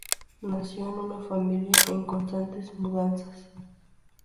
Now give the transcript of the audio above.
Nació en una familia en constantes mudanzas.